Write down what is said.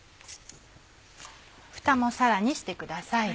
ふたもさらにしてください。